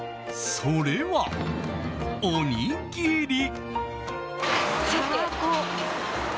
それは、おにぎり。